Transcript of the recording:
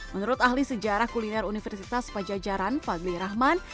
menurut ahli sejarah kuliner universitas pajajaran fadli rahman